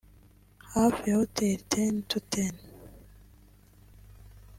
hafi ya Hotel Ten to Ten